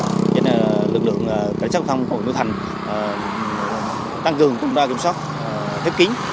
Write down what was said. nên lực lượng cảnh sát lưu thông của núi thành tăng cường cũng ra kiểm soát hiếp kín